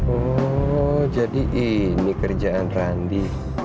oh jadi ini kerjaan randi